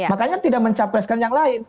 makanya tidak mencapreskan yang lain